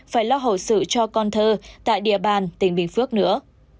phải lo hậu sự cho con thơ tại địa bàn tỉnh bình phước nữa